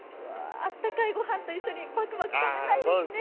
あったかいご飯と一緒にバクバク食べたいですね。